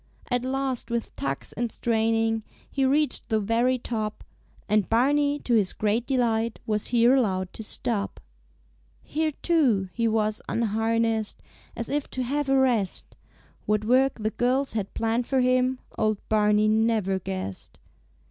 At last with tugs and straining He reached the very top, And Barney to his great delight Was here allowed to stop. Here, too, he was unharnessed, As if to have a rest; What work the girls had planned for him Old Barney never guessed.